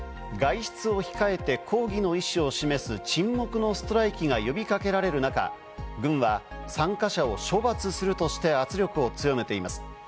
外出を控えて抗議の意思を示す沈黙のストライキが呼びかけられる中、軍は参加者を処罰するとして圧力を強めています。